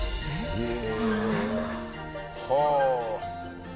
へえ。